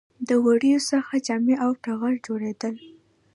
د وړیو څخه جامې او ټغر جوړیدل